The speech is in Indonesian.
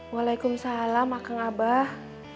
waalaikumsalam akang abah